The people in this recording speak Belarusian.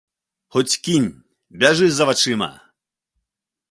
Хоць кінь, бяжы за вачыма!